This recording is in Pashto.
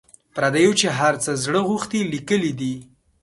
پردیو چي هر څه زړه غوښتي لیکلي دي.